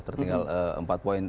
tertinggal empat poin